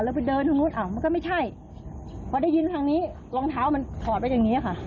แล้วไปเดินทางนู้นอ่ะมันก็ไม่ใช่พอได้ยินทางนี้รองเท้ามันถอดไว้อย่างนี้ค่ะ